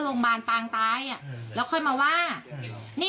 หนูก็พูดอย่างงี้หนูก็พูดอย่างงี้